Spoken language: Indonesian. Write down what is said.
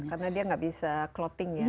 karena dia nggak bisa clothing ya darahnya